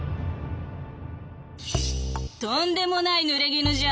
「とんでもないぬれぎぬじゃ。